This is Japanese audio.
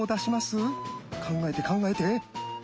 考えて考えて！